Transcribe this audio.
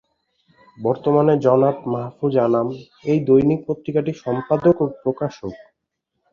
বর্তমানে জনাব মাহফুজ আনাম এই দৈনিক পত্রিকাটির সম্পাদক ও প্রকাশক।